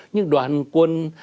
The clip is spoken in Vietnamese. những đoàn quân